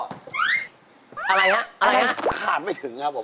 อะไรฮะขาดไม่ถึงครับผม